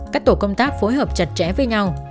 các tổ công tác phối hợp chặt chẽ với nhau